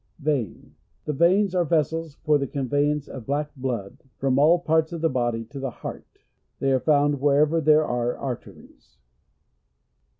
Vein. — The veins are vessels for the conveyance of black blood from all part3 of the body to th* heart. They are found wherever there are arteries.